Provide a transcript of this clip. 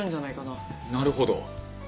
なるほど！